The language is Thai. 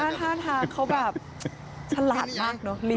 ท่าทางเขาแบบฉลาดมากเนอะลี